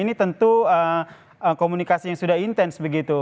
ini tentu komunikasi yang sudah intens begitu